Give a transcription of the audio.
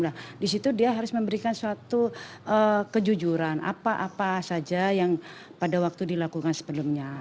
nah disitu dia harus memberikan suatu kejujuran apa apa saja yang pada waktu dilakukan sebelumnya